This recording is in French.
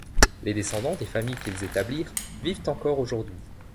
Les descendants des familles qu'ils établirent vivent encore aujourd'hui.